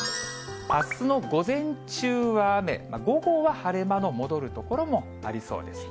あすの午前中は雨、午後は晴れ間の戻る所もありそうです。